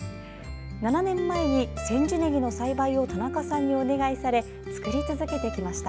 ７年前に千住ねぎの栽培を田中さんにお願いされ作り続けてきました。